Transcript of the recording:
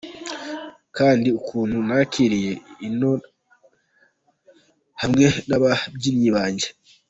kandi ukuntu nakiriwe ino hamwe nababyinnyi banjye.